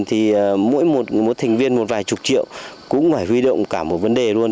thì mỗi một thành viên một vài chục triệu cũng phải huy động cả một vấn đề luôn